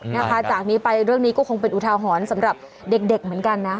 นะคะจากนี้ไปเรื่องนี้ก็คงเป็นอุทาหรณ์สำหรับเด็กเหมือนกันนะ